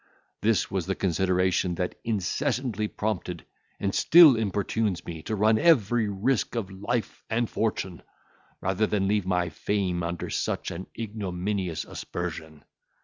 This was the consideration that incessantly prompted, and still importunes me to run every risk of life and fortune, rather than leave my fame under such an ignominious aspersion.